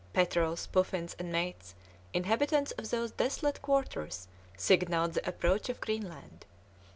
Petrels, puffins, and mates, inhabitants of those desolate quarters, signalled the approach of Greenland.